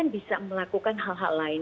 bukan hal hal lain